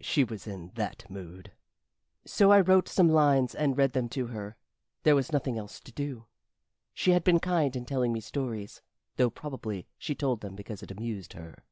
She was in that mood. So I wrote some lines and read them to her there was nothing else to do. She had been kind in telling me stories, though probably she told them because it amused her.